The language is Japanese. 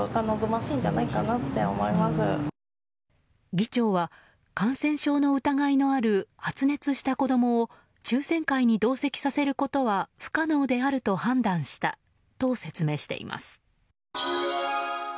議長は感染症の疑いのある発熱した子供を抽選会に同席されることは不可能であると判断したと説明しています。